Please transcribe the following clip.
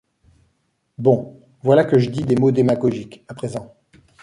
Bon, voilà que je dis des mots démagogiques à présent!